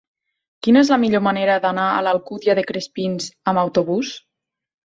Quina és la millor manera d'anar a l'Alcúdia de Crespins amb autobús?